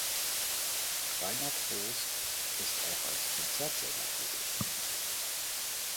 Rainer Trost ist auch als Konzertsänger tätig.